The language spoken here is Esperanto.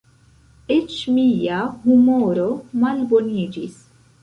Eĉ mia humoro malboniĝis.